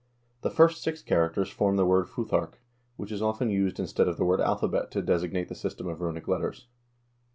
The first six characters form the word futharc, which is often used instead of the word alphabet to designate the system of runic letters.